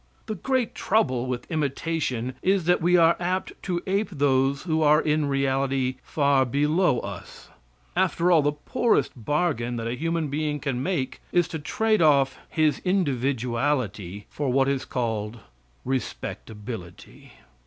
The great trouble with imitation is that we are apt to ape those who are in reality far below us. After all, the poorest bargain that a human being can make is to trade off his individuality for what is called respectability.